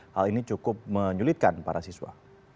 hal ini cukup menyulitkan para siswa